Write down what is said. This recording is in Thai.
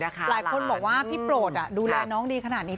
หลายคนบอกว่าพี่โปรดดูแลน้องดีขนาดนี้